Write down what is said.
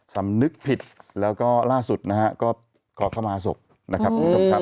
สำนึกผิดแล้วก็ล่าสุดนะฮะก็ขอเข้ามาศพนะครับ